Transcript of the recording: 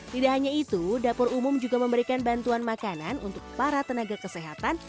tidak hanya itu dapur umum juga memberikan bantuan makanan untuk para tenaga kesehatan